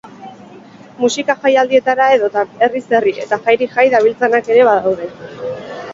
Musika jaialdietara edota herriz herri eta jairik jai dabiltzanak ere badaude.